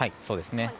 そうですね。